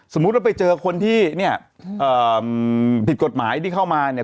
สมมุติว่าไปเจอคนที่เนี่ยผิดกฎหมายที่เข้ามาเนี่ย